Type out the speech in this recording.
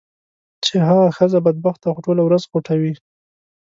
چې هغه ښځه بدبخته خو ټوله ورځ خوټوي.